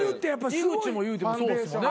井口もいうてもそうですもんね。